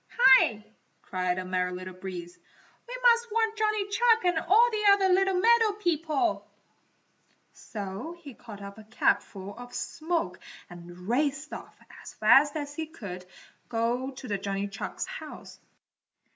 "Hi!" cried the Merry Little Breeze, "We must warn Johnny Chuck and all the other little meadow people!" So he caught up a capful of smoke and raced off as fast as he could go to Johnny Chuck's house.